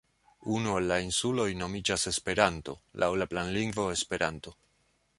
Unu el la insuloj nomiĝas Esperanto, laŭ la planlingvo Esperanto.